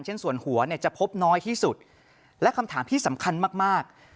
ส่วนหัวเนี่ยจะพบน้อยที่สุดและคำถามที่สำคัญมาก